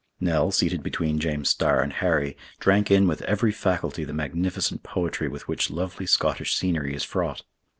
Nell, seated between James Starr and Harry, drank in with every faculty the magnificent poetry with which lovely Scottish scenery is fraught.